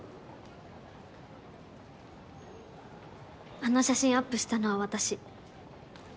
あの写真アップしたのは私。